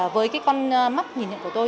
với cái con mắt nhìn nhận của tôi